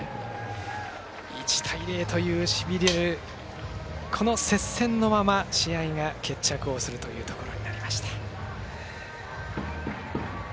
１対０というしびれる、この接戦のまま試合が決着をするというところになりました。